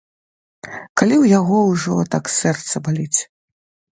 Калі ў яго ўжо так сэрца баліць?